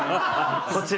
こちら。